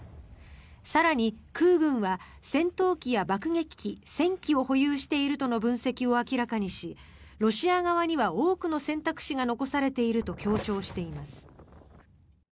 更に、空軍は戦闘機や爆撃機１０００機を保有しているとの分析を明らかにしロシア側には大きな選択肢が残されていると強調しています。